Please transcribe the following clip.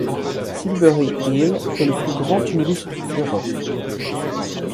Silbury Hill est le plus grand tumulus d'Europe.